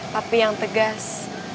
pak pi yang tegas